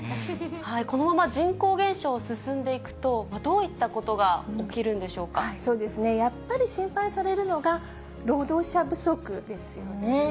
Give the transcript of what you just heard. このまま人口減少進んでいくと、どういったことが起きるんでしょやっぱり心配されるのが、労働者不足ですよね。